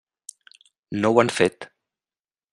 No ho han fet.